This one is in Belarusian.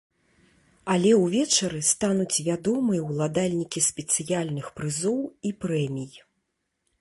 Але ўвечары стануць вядомыя ўладальнікі спецыяльных прызоў і прэмій.